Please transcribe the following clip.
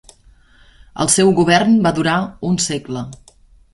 El seu govern va durar un segle.